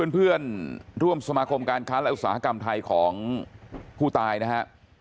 เพื่อนร่วมสมาคมการค้าและอุตสาหกรรมไทยของผู้ตายนะฮะ